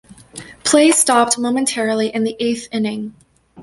Play stopped momentarily in the eighth inning.